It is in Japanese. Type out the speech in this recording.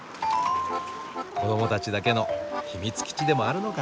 子どもたちだけの秘密基地でもあるのかな。